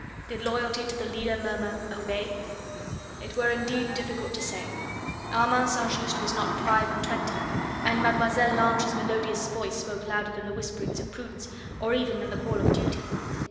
Did loyalty to the leader murmur, "Obey"? It were indeed difficult to say. Armand St. Just was not five and twenty, and Mlle. Lange's melodious voice spoke louder than the whisperings of prudence or even than the call of duty.